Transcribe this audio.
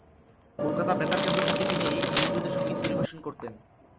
কলকাতা বেতার কেন্দ্র থেকে তিনি নিয়মিত সঙ্গীত পরিবেশন করতেন।